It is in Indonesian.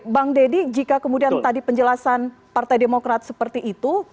bang deddy jika kemudian tadi penjelasan partai demokrat seperti itu